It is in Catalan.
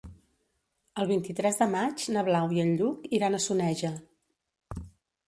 El vint-i-tres de maig na Blau i en Lluc iran a Soneja.